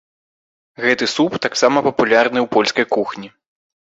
Гэты суп таксама папулярны ў польскай кухні.